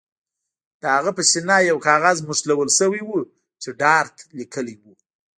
د هغه په سینه یو کاغذ نښلول شوی و چې ډارت لیکلي وو